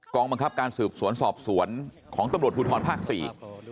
บังคับการสืบสวนสอบสวนของตำรวจภูทรภาคสี่